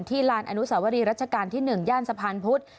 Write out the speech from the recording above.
ลานอนุสาวรีรัชกาลที่๑ย่านสะพานพุธ